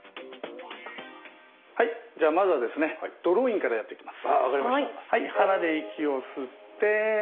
じゃあまずはドローインからやっていきます。